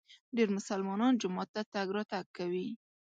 ډېر مسلمانان جومات ته تګ راتګ کوي.